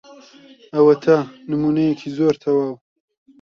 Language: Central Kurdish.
ئەوەتە نموونەیەکی زۆر تەواو.